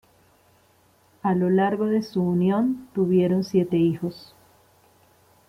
A lo largo de su unión, tuvieron siete hijos.